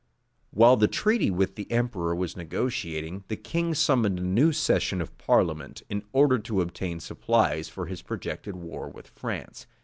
While the treaty with the emperor was negotiating, the king summoned a new session of parliament, in order to obtain supplies for his projected war with France.